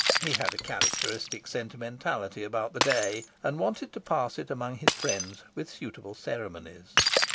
He had a characteristic sentimentality about the day and wanted to pass it among his friends with suitable ceremonies.